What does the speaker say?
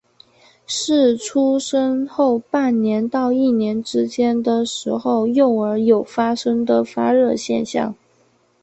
是出生后半年到一年之间的时候幼儿有发生的发热现象。